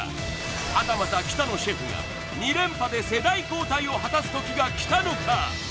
はたまた北野シェフが２連覇で世代交代を果たす時がきたのか？